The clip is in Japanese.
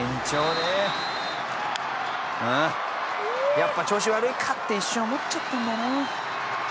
「やっぱ調子悪いかって一瞬思っちゃったんだよな」